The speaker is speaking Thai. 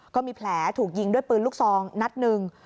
ก็มีแผลถูกยิงด้วยปืนลูกซองนัดหนึ่ง